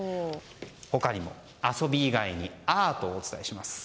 他にも、遊び以外にアートをお伝えします。